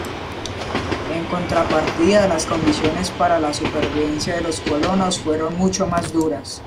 En contrapartida las condiciones para la supervivencia de los colonos fueron mucho más duras.